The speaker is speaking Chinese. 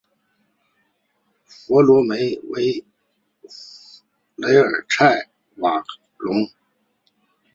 弗罗梅雷维尔莱瓦隆。